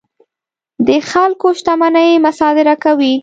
د خلکو شتمنۍ مصادره کوي.